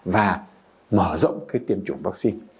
và mở rộng cái tiêm chủng vaccine